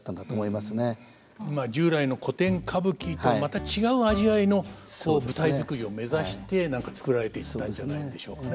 まあ従来の古典歌舞伎とまた違う味わいの舞台作りを目指して何か作られていったんじゃないんでしょうかね。